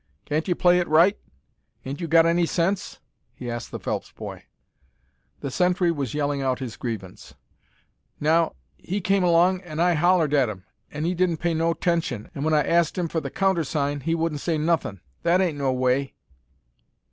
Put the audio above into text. Can't you play it right? 'Ain't you got any sense?" he asked the Phelps boy. The sentry was yelling out his grievance. "Now he came along an' I hollered at 'im, an' he didn't pay no 'tention, an' when I ast 'im for the countersign, he wouldn't say nothin'. That ain't no way."